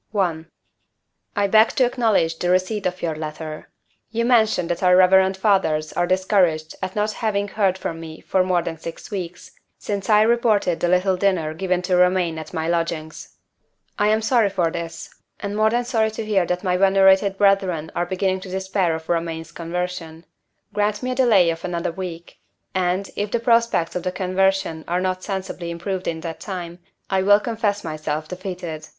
_ I. I BEG to acknowledge the receipt of your letter. You mention that our Reverend Fathers are discouraged at not having heard from me for more than six weeks, since I reported the little dinner given to Romayne at my lodgings. I am sorry for this, and more than sorry to hear that my venerated brethren are beginning to despair of Romayne's conversion. Grant me a delay of another week and, if the prospects of the conversion have not sensibly improved in that time, I will confess myself defeated.